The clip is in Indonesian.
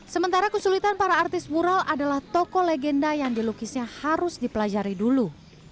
sementara kesulitan para artis mural adalah toko legenda yang dilukisnya harus dipelajari dulu